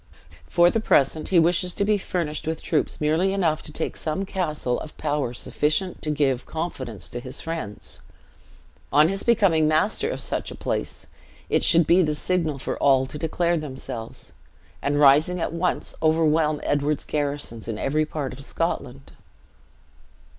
For the present, he wishes to be furnished with troops merely enough to take some castle, of power sufficient to give confidence to his friends. On his becoming master of such a place, it should be the signal for all to declare themselves; and, rising at once, overwhelm Edward's garrisons in every part of Scotland.